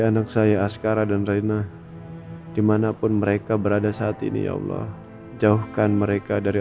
anak saya askara dan raina dimanapun mereka berada saat ini ya allah jauhkan mereka dari